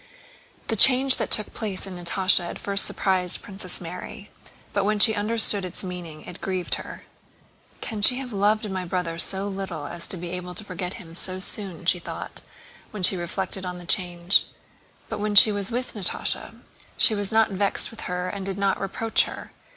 The change that took place in Natásha at first surprised Princess Mary; but when she understood its meaning it grieved her. "Can she have loved my brother so little as to be able to forget him so soon?" she thought when she reflected on the change. But when she was with Natásha she was not vexed with her and did not reproach her.